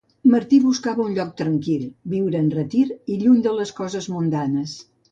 Martí buscava un lloc tranquil viure en retir i lluny de les coses mundanes.